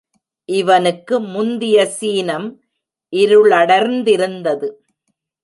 இவனுக்கு முந்திய சீனம் இருளடர்ந்திருந்தது.